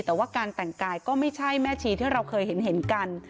แต่ว่าการแต่งกายก็ไม่ใช่แม่ชีที่เราเคยเห็นกัน